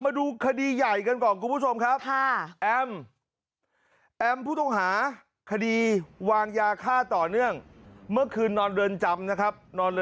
มาดูคดีใหญ่กันก่อนคุณผู้ชมครับ